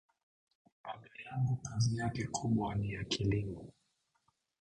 Baba yangu kazi yake kubwa ni ya kilimo